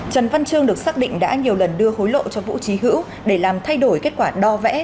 trần văn trương được xác định đã nhiều lần đưa hối lộ cho vũ trí hữu để làm thay đổi kết quả đo vẽ